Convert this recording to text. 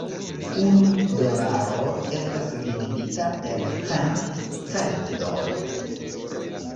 Unu dolaro estas dividita en cent "cendoj".